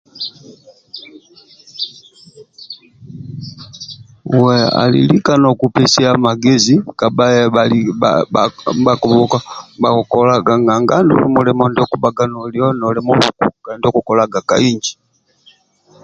Uwe ali lika nokupesia magezi kabha kaba bha bha ndiabha kikolaga nanga andulu mulimon noli noli muluku nanga andulu ndiao okukolagaa ka injon